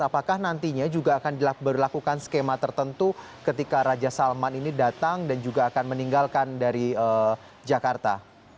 apakah nantinya juga akan berlakukan skema tertentu ketika raja salman ini datang dan juga akan meninggalkan dari jakarta